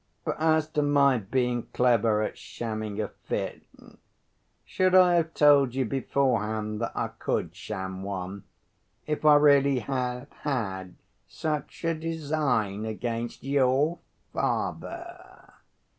But as to my being clever at shamming a fit: should I have told you beforehand that I could sham one, if I really had had such a design against your father?